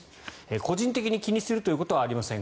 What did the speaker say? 個人的に気にするということはありません